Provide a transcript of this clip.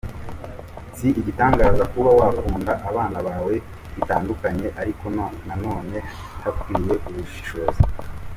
Si igitangaza kuba wakunda abana bawe bitandukanye ariko na none hakwiye ubushishozi.